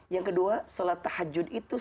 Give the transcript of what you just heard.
yang kedua sholat tahajud itu